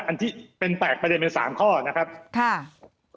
อันที่สองเรื่องบาดแผลตามร่างกาย